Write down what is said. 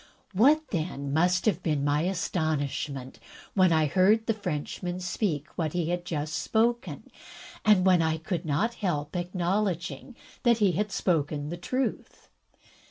What, then, must have been my amazement when I heard the Frenchman speak what he had just spoken, and when I could not help acknowledging that he had spoken the truth.